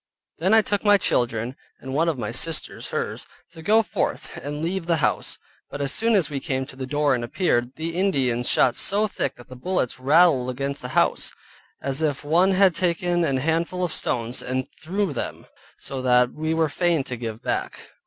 Then I took my children (and one of my sisters', hers) to go forth and leave the house: but as soon as we came to the door and appeared, the Indians shot so thick that the bullets rattled against the house, as if one had taken an handful of stones and threw them, so that we were fain to give back.